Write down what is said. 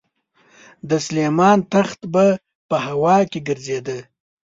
د سلیمان تخت به په هوا کې ګرځېده.